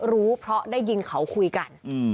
รู้เพราะได้ยินเขาคุยกัน